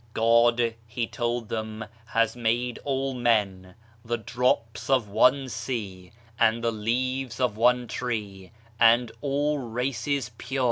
" God, he told them, has made all men the drops of one sea, and the leaves of one tree, and all races pure.